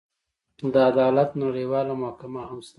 د عدالت نړیواله محکمه هم شته.